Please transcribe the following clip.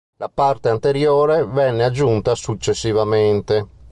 La parte anteriore venne aggiunta successivamente.